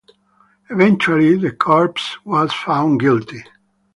Eventually, the corpse was found guilty.